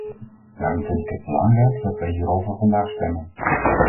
Daarom vind ik het belangrijk dat wij hierover vandaag stemmen.